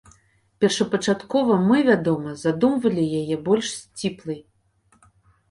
Першапачаткова мы, вядома, задумвалі яе больш сціплай.